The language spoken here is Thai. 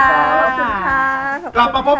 ของคุณยายถ้วน